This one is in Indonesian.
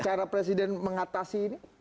cara presiden mengatasi ini